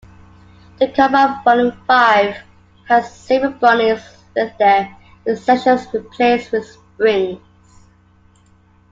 The cover of volume five has several bunnies with their midsections replaced with springs.